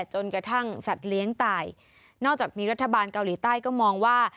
จนกระทั่งสัตว์เลี้ยงตายนอกจากนี้รัฐบาลเกาหลีใต้ก็มองว่า